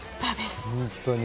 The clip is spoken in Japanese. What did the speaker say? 本当に。